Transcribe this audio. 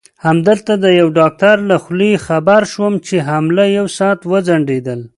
همدلته د یوه ډاکټر له خولې خبر شوم چې حمله یو ساعت وځنډېدل.